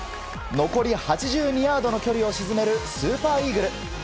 残り８２ヤードの距離を沈めるスーパーイーグル。